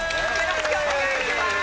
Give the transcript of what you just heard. よろしくお願いします。